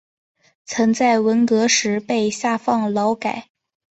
曾在文革时被下放劳改。